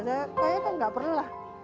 kayaknya kan enggak perlu lah